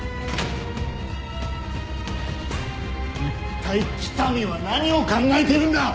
いったい北見は何を考えているんだ！